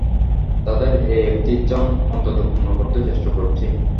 তাঁদের এই একটি ইচ্ছা অন্তত পূর্ণ করতে চেষ্টা করছি।